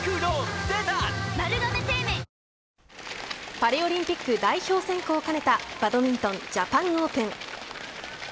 パリオリンピック代表選考を兼ねた、バドミントンジャパンオープン。